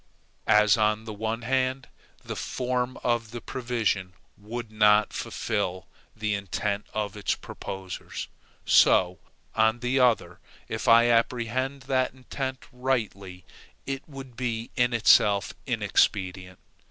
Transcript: As, on the one hand, the form of the provision would not fulfil the intent of its proposers, so, on the other, if I apprehend that intent rightly, it would be in itself inexpedient.